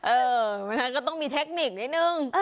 เออนะฮะก็ต้องมีเทคนิคนิดนึง